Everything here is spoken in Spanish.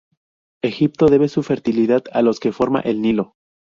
Egipto debe su fertilidad a los que forma el Nilo.